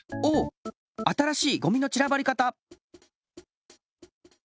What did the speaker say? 新しいゴミのちらばり方！